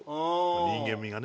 人間味がね。